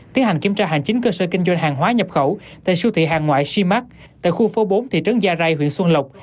tiến hành kiểm tra hành chính cơ sở kinh doanh hàng hóa nhập khẩu tại siêu thị hàng ngoại shima tại khu phố bốn thị trấn gia rai huyện xuân lộc